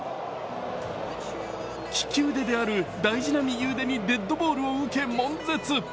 利き腕である大事な右腕にデッドボールを受け、もん絶。